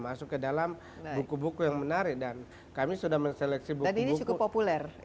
masuk ke dalam buku buku yang menarik dan kami sudah menseleksi buku buku populer